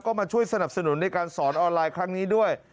ก็มาช่วยสนับสนุนในการสอนออนไลน์ครั้งนี้ด้วย